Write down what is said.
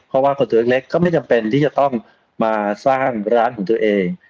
เพราะว่าคนตัวเล็กก็ไม่จำเป็นที่จะต้องมาสร้างร้านของตัวเอง